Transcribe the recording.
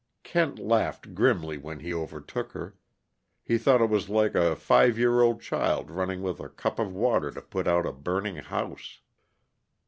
Kent laughed grimly when he overtook her; he thought it was like a five year old child running with a cup of water to put out a burning house.